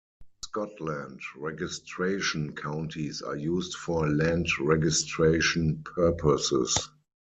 In Scotland registration counties are used for land registration purposes.